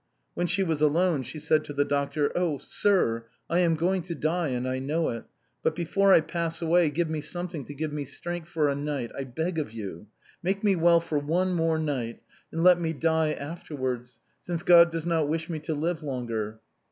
When she was alone she said to the doctor, " Oh ! sir, I am going to die, and I know it. But before I pass away give me something to give me strength for a night, I beg of you ; make me well for one more night, and let me die afterwards, since God does not wish me to live longer."